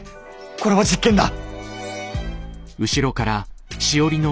これは実験だ。